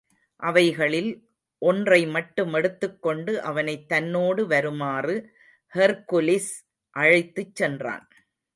அவைகளில் ஒன்றை மட்டும் எடுத்துக் கொண்டு அவனைத் தன்னோடு வருமாறு ஹெர்க்குலிஸ் அழைத்துச் சென்றான்.